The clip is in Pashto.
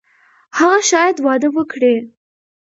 هغه شاید واده وکړي.